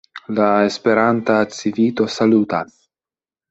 La Esperanta Civito salutas.